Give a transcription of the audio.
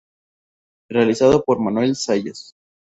Realizado por Manuel Zayas.